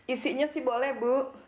isinya sih boleh bu